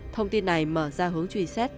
thông tin này mở ra hướng truy xét